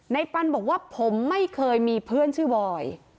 ปันบอกว่าผมไม่เคยมีเพื่อนชื่อบอย